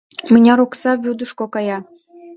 Мыняр окса вӱдышкӧ кая!